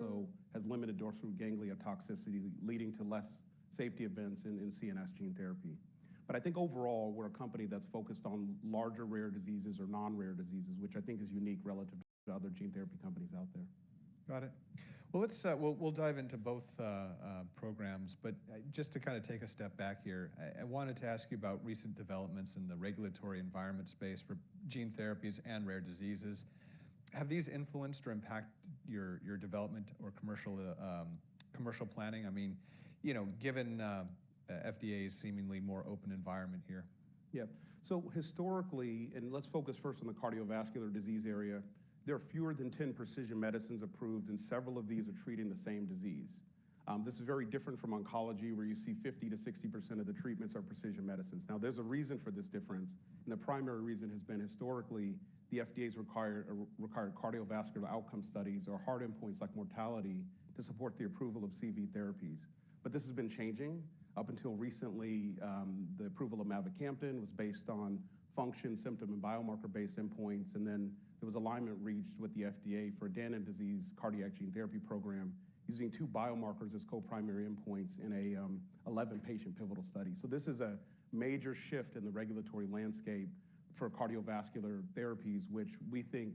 also has limited dorsal ganglia toxicity, leading to less safety events in CNS gene therapy. But I think overall, we're a company that's focused on larger rare diseases or non-rare diseases, which I think is unique relative to other gene therapy companies out there. Got it. Well, let's, we'll dive into both programs, but just to kind of take a step back here, I wanted to ask you about recent developments in the regulatory environment space for gene therapies and rare diseases. Have these influenced or impacted your development or commercial planning? I mean, you know, given FDA's seemingly more open environment here. Yeah. So historically, and let's focus first on the cardiovascular disease area, there are fewer than 10 precision medicines approved, and several of these are treating the same disease. This is very different from oncology, where you see 50%-60% of the treatments are precision medicines. Now, there's a reason for this difference, and the primary reason has been historically, the FDA's required required cardiovascular outcome studies or hard endpoints like mortality, to support the approval of CV therapies. But this has been changing. Up until recently, the approval of mavacamten was based on function, symptom, and biomarker-based endpoints, and then there was alignment reached with the FDA for Danon disease cardiac gene therapy program, using two biomarkers as co-primary endpoints in a 11-patient pivotal study. This is a major shift in the regulatory landscape for cardiovascular therapies, which we think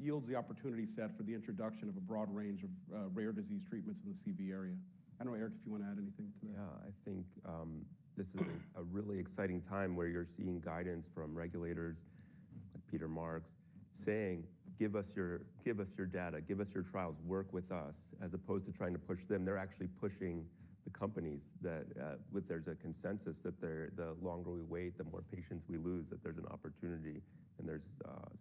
yields the opportunity set for the introduction of a broad range of rare disease treatments in the CV area. I don't know, Eric, if you want to add anything to that. Yeah, I think, this is a really exciting time where you're seeing guidance from regulators, like Peter Marks, saying: "Give us your, give us your data, give us your trials. Work with us." As opposed to trying to push them, they're actually pushing the companies that, where there's a consensus that they're... The longer we wait, the more patients we lose, that there's an opportunity, and there's...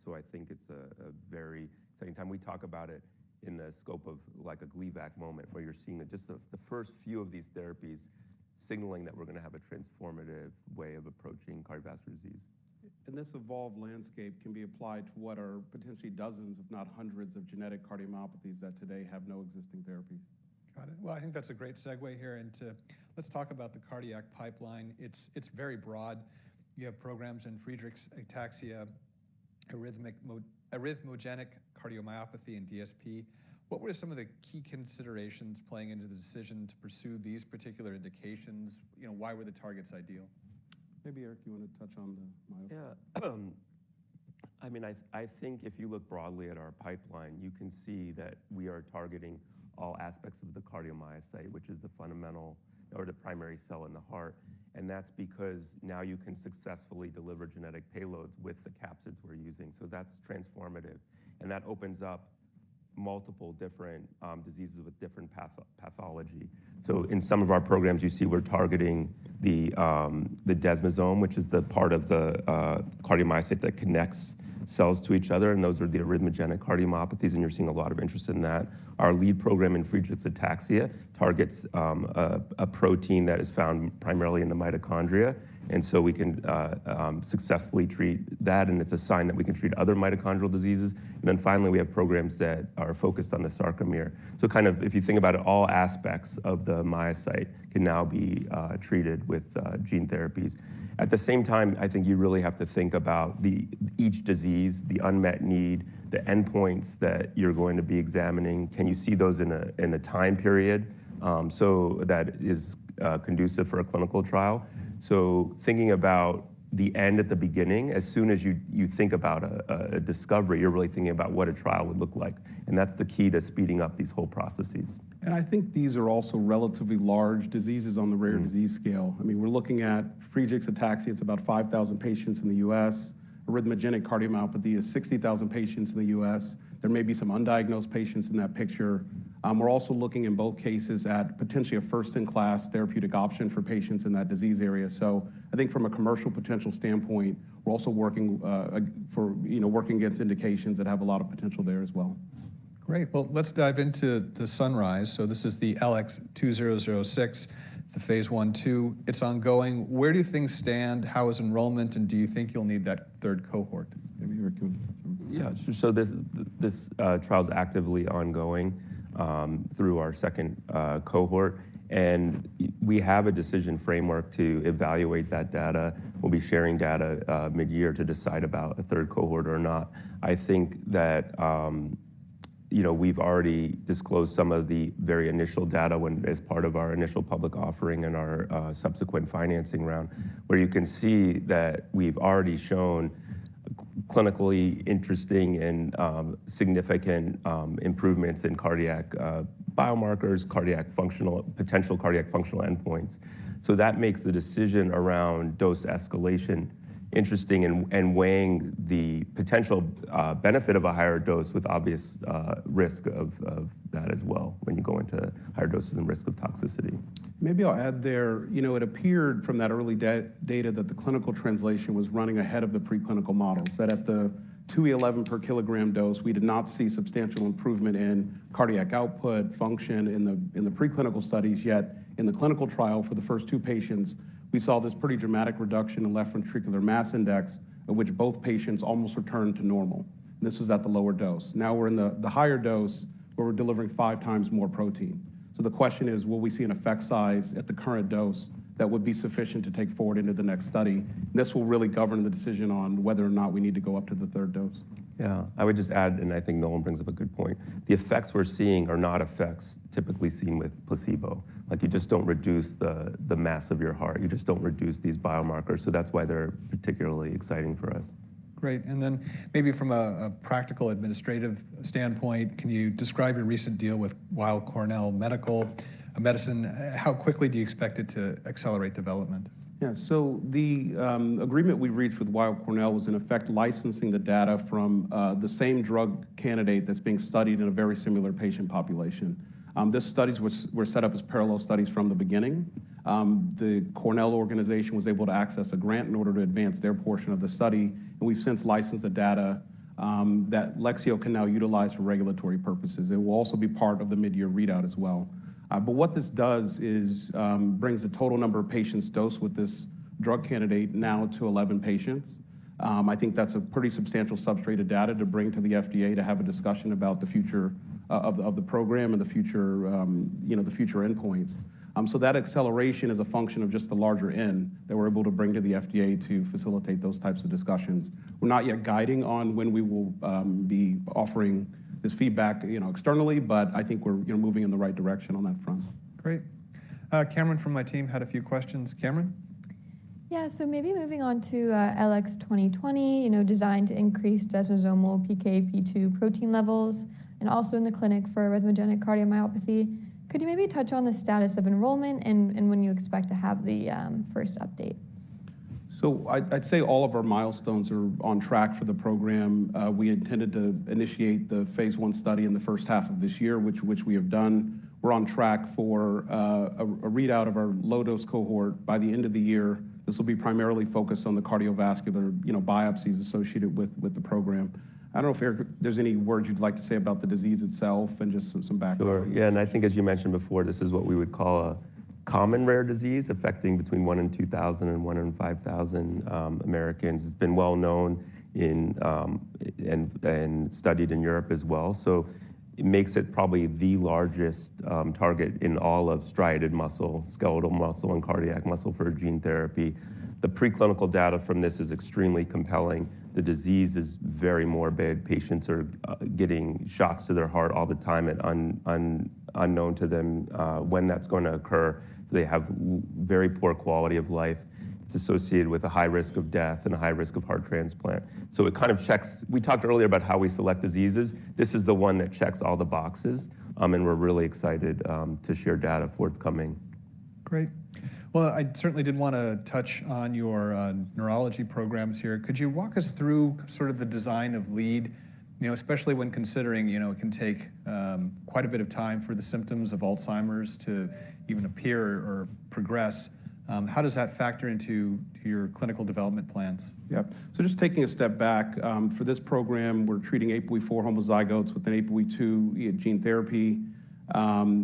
So I think it's a, a very exciting time. We talk about it in the scope of like a Gleevec moment, where you're seeing the just the, the first few of these therapies signaling that we're gonna have a transformative way of approaching cardiovascular disease. This evolved landscape can be applied to what are potentially dozens, if not hundreds, of genetic cardiomyopathies that today have no existing therapies. Got it. Well, I think that's a great segue here into... Let's talk about the cardiac pipeline. It's, it's very broad. You have programs in Friedreich's ataxia, arrhythmogenic cardiomyopathy, and DSP. What were some of the key considerations playing into the decision to pursue these particular indications? You know, why were the targets ideal? Maybe, Eric, you want to touch on the myocyte? Yeah. I mean, I think if you look broadly at our pipeline, you can see that we are targeting all aspects of the cardiomyocyte, which is the fundamental or the primary cell in the heart, and that's because now you can successfully deliver genetic payloads with the capsids we're using, so that's transformative. And that opens up multiple different diseases with different pathology. So in some of our programs, you see we're targeting the desmosome, which is the part of the cardiomyocyte that connects cells to each other, and those are the arrhythmogenic cardiomyopathies, and you're seeing a lot of interest in that. Our lead program in Friedreich's ataxia targets a protein that is found primarily in the mitochondria, and so we can successfully treat that, and it's a sign that we can treat other mitochondrial diseases. Then finally, we have programs that are focused on the sarcomere. So kind of, if you think about it, all aspects of the myocyte can now be treated with gene therapies. At the same time, I think you really have to think about the each disease, the unmet need, the endpoints that you're going to be examining. Can you see those in a time period, so that is conducive for a clinical trial? So thinking about the end at the beginning, as soon as you think about a discovery, you're really thinking about what a trial would look like, and that's the key to speeding up these whole processes. I think these are also relatively large diseases on the rare disease scale. I mean, we're looking at Friedreich's ataxia, it's about 5,000 patients in the U.S. Arrhythmogenic cardiomyopathy is 60,000 patients in the U.S. There may be some undiagnosed patients in that picture. We're also looking in both cases at potentially a first-in-class therapeutic option for patients in that disease area. So I think from a commercial potential standpoint, we're also working, you know, working against indications that have a lot of potential there as well. Great. Well, let's dive into the Sunrise. So this is the LX2006, the phase I/II. It's ongoing. Where do things stand? How is enrollment, and do you think you'll need that third cohort? Maybe, Eric, you... Yeah. So this trial is actively ongoing through our second cohort, and we have a decision framework to evaluate that data. We'll be sharing data mid-year to decide about a third cohort or not. I think that, you know, we've already disclosed some of the very initial data when, as part of our initial public offering and our subsequent financing round, where you can see that we've already shown clinically interesting and significant improvements in cardiac biomarkers, cardiac functional potential cardiac functional endpoints. So that makes the decision around dose escalation interesting and weighing the potential benefit of a higher dose with obvious risk of that as well, when you go into higher doses and risk of toxicity. Maybe I'll add there, you know, it appeared from that early data that the clinical translation was running ahead of the preclinical models, that at the 2e11 per kilogram dose, we did not see substantial improvement in cardiac output function in the preclinical studies, yet in the clinical trial for the first two patients. We saw this pretty dramatic reduction in left ventricular mass index, of which both patients almost returned to normal. And this was at the lower dose. Now we're in the higher dose, where we're delivering 5 times more protein. So the question is: Will we see an effect size at the current dose that would be sufficient to take forward into the next study? This will really govern the decision on whether or not we need to go up to the third dose. Yeah. I would just add, and I think Nolan brings up a good point, the effects we're seeing are not effects typically seen with placebo. Like, you just don't reduce the, the mass of your heart. You just don't reduce these biomarkers, so that's why they're particularly exciting for us. Great, and then maybe from a practical administrative standpoint, can you describe your recent deal with Weill Cornell Medicine? How quickly do you expect it to accelerate development? Yeah, so the agreement we reached with Weill Cornell was, in effect, licensing the data from the same drug candidate that's being studied in a very similar patient population. The studies were set up as parallel studies from the beginning. The Cornell organization was able to access a grant in order to advance their portion of the study, and we've since licensed the data that Lexeo can now utilize for regulatory purposes. It will also be part of the midyear readout as well. But what this does is brings the total number of patients dosed with this drug candidate now to 11 patients. I think that's a pretty substantial substrate of data to bring to the FDA to have a discussion about the future of the program and the future, you know, the future endpoints. So that acceleration is a function of just the larger end that we're able to bring to the FDA to facilitate those types of discussions. We're not yet guiding on when we will be offering this feedback, you know, externally, but I think we're, you know, moving in the right direction on that front. Great. Cameron from my team had a few questions. Cameron? Yeah, so maybe moving on to LX2020, you know, designed to increase desmosomal PKP2 protein levels, and also in the clinic for arrhythmogenic cardiomyopathy. Could you maybe touch on the status of enrollment and when you expect to have the first update? So I'd say all of our milestones are on track for the program. We intended to initiate the phase I study in the first half of this year, which we have done. We're on track for a readout of our low-dose cohort by the end of the year. This will be primarily focused on the cardiovascular, you know, biopsies associated with the program. I don't know if there's any words you'd like to say about the disease itself and just some background. Sure. Yeah, and I think as you mentioned before, this is what we would call a common rare disease, affecting between one in 2,000 and one in 5,000 Americans. It's been well known in and studied in Europe as well, so it makes it probably the largest target in all of striated muscle, skeletal muscle, and cardiac muscle for gene therapy. The preclinical data from this is extremely compelling. The disease is very morbid. Patients are getting shocks to their heart all the time at unknown to them when that's going to occur, so they have very poor quality of life. It's associated with a high risk of death and a high risk of heart transplant. So it kind of checks. We talked earlier about how we select diseases. This is the one that checks all the boxes, and we're really excited to share data forthcoming. Great. Well, I certainly did wanna touch on your neurology programs here. Could you walk us through sort of the design of lead? You know, especially when considering, you know, it can take quite a bit of time for the symptoms of Alzheimer's to even appear or progress. How does that factor into your clinical development plans? Yep. So just taking a step back, for this program, we're treating APOE4 homozygotes with an APOE2 gene therapy.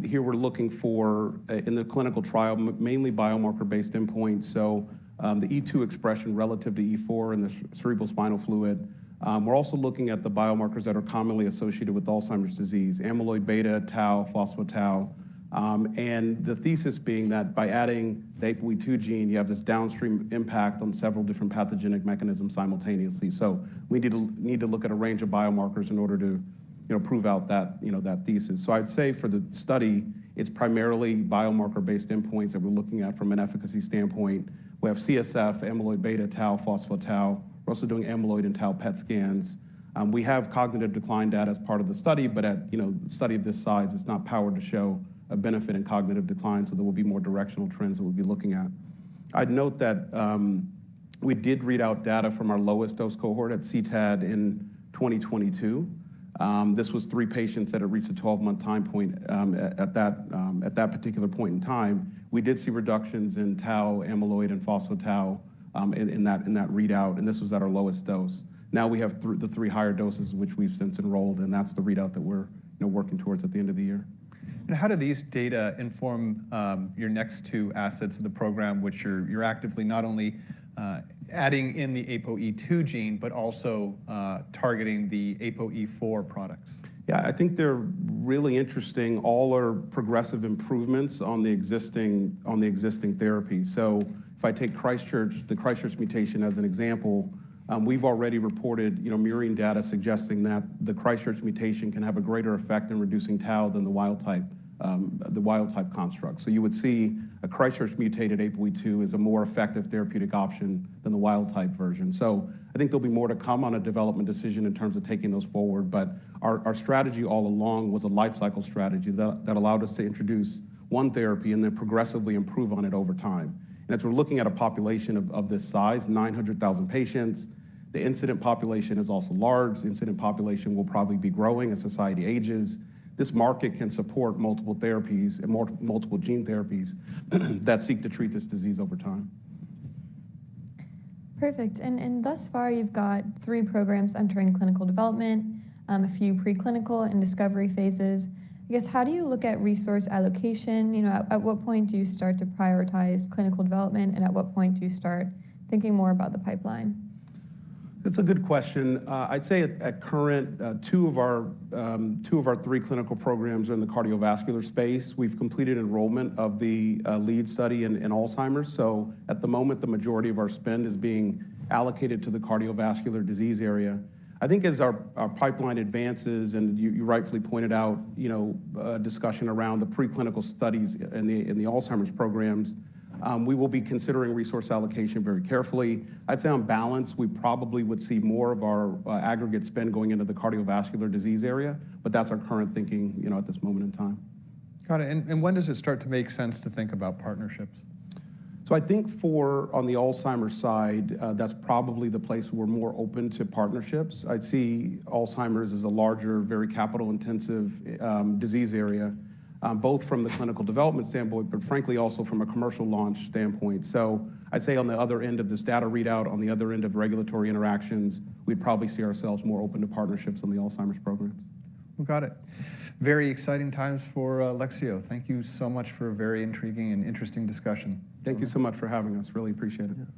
Here we're looking for, in the clinical trial, mainly biomarker-based endpoints, so, the E2 expression relative to E4 in the cerebrospinal fluid. We're also looking at the biomarkers that are commonly associated with Alzheimer's disease: amyloid beta, tau, phospho-tau. And the thesis being that by adding the APOE2 gene, you have this downstream impact on several different pathogenic mechanisms simultaneously. So we need to need to look at a range of biomarkers in order to, you know, prove out that, you know, that thesis. So I'd say for the study, it's primarily biomarker-based endpoints that we're looking at from an efficacy standpoint. We have CSF, amyloid beta, tau, phospho-tau. We're also doing amyloid and tau PET scans. We have cognitive decline data as part of the study, but at, you know, a study of this size, it's not powered to show a benefit in cognitive decline, so there will be more directional trends that we'll be looking at. I'd note that, we did read out data from our lowest dose cohort at CTAD in 2022. This was three patients that had reached a 12-month time point, at that particular point in time. We did see reductions in tau, amyloid, and phospho-tau, in that readout, and this was at our lowest dose. Now we have the three higher doses, which we've since enrolled, and that's the readout that we're, you know, working towards at the end of the year. How do these data inform your next two assets of the program, which you're actively not only adding in the APOE2 gene, but also targeting the APOE4 products? Yeah, I think they're really interesting. All are progressive improvements on the existing, on the existing therapy. So if I take Christchurch, the Christchurch mutation as an example, we've already reported, you know, mirroring data suggesting that the Christchurch mutation can have a greater effect in reducing tau than the wild type, the wild type construct. So you would see a Christchurch mutated APOE2 is a more effective therapeutic option than the wild type version. So I think there'll be more to come on a development decision in terms of taking those forward, but our, our strategy all along was a life cycle strategy that, that allowed us to introduce one therapy and then progressively improve on it over time. And as we're looking at a population of, of this size, 900,000 patients, the incident population is also large. The incident population will probably be growing as society ages. This market can support multiple therapies and multiple gene therapies, that seek to treat this disease over time. Perfect, and thus far, you've got three programs entering clinical development, a few preclinical and discovery phases. I guess, how do you look at resource allocation? You know, at what point do you start to prioritize clinical development, and at what point do you start thinking more about the pipeline? That's a good question. I'd say at current, two of our three clinical programs are in the cardiovascular space. We've completed enrollment of the lead study in Alzheimer's, so at the moment, the majority of our spend is being allocated to the cardiovascular disease area. I think as our pipeline advances, and you rightfully pointed out, you know, discussion around the preclinical studies in the Alzheimer's programs, we will be considering resource allocation very carefully. I'd say on balance, we probably would see more of our aggregate spend going into the cardiovascular disease area, but that's our current thinking, you know, at this moment in time. Got it. And when does it start to make sense to think about partnerships? So I think on the Alzheimer's side, that's probably the place we're more open to partnerships. I'd see Alzheimer's as a larger, very capital-intensive, disease area, both from the clinical development standpoint, but frankly, also from a commercial launch standpoint. I'd say on the other end of this data readout, on the other end of regulatory interactions, we'd probably see ourselves more open to partnerships on the Alzheimer's programs. Well, got it. Very exciting times for Lexeo. Thank you so much for a very intriguing and interesting discussion. Thank you so much for having us. Really appreciate it.